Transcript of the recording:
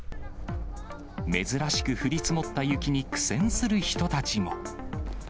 珍しく降り積もった雪に苦戦する人たちも。